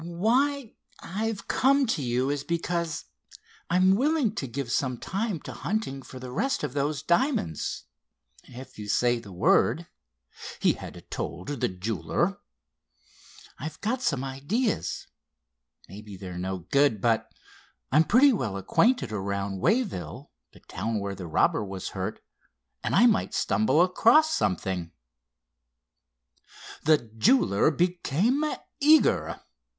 "Why—I've come to you, is because I'm willing to give some time to hunting for the rest of those diamonds if you say the word," he had told the jeweler. "I've got some ideas. Maybe they're no good, but I'm pretty well acquainted around Wayville, the town where the robber was hurt, and I might stumble across something." The jeweler became eager.